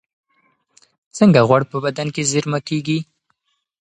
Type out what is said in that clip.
څنګه غوړ په بدن کې زېرمه کېږي؟